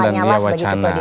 statement dan wacana